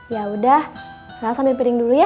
yaudah aku sambil piring dulu ya